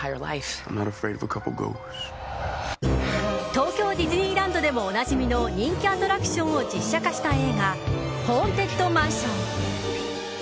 東京ディズニーランドでもおなじみの人気アトラクションを実写化した映画「ホーンテッドマンション」。